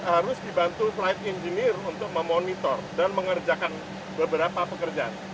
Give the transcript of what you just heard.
harus dibantu flight engineer untuk memonitor dan mengerjakan beberapa pekerjaan